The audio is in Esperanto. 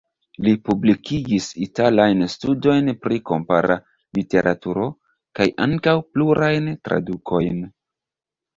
Li publikigis italajn studojn pri kompara literaturo, kaj ankaŭ plurajn tradukojn.